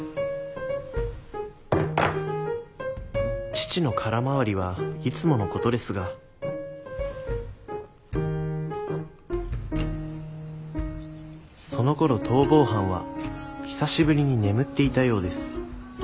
父の空回りはいつものことですがそのころ逃亡犯は久しぶりに眠っていたようです。